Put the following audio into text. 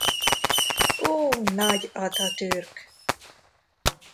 Ó nagy Atatürk!